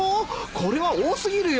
これは多過ぎるよ。